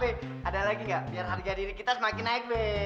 be ada lagi gak biar harga diri kita semakin naik be